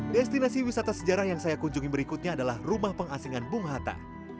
destinasi wisata sejarah yang saya kunjungi berikutnya adalah rumah pengasingan bung hatta